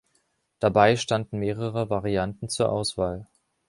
Dabei standen mehrere Varianten zur Auswahl.